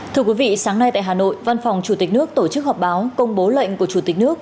thưa quý vị sáng nay tại hà nội văn phòng chủ tịch nước tổ chức họp báo công bố lệnh của chủ tịch nước